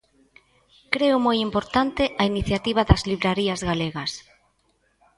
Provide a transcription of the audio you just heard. Creo moi importante a iniciativa das librarías galegas.